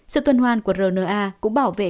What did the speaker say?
sự tuân hoan của rna cũng bảo vệ